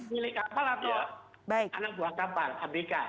milik kapal atau anak buah kapal abk